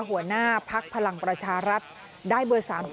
หัวหน้าพักพลังประชารัฐได้เบอร์๓๒